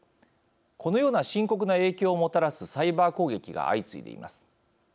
このような深刻な影響をもたらすサイバー攻撃が相次いでいます。